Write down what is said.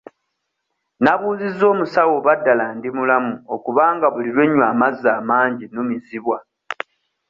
Nabuuzizza omusaawo oba ddala ndi mulamu okubanga buli lwe nnywa amazzi amangi numizibwa?